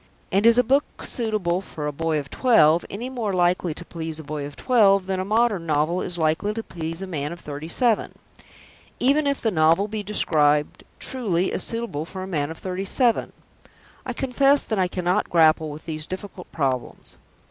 And is a book "suitable for a boy of twelve" any more likely to please a boy of twelve than a modern novel is likely to please a man of thirty seven; even if the novel be described truly as "suitable for a man of thirty seven"? I confess that I cannot grapple with these difficult problems.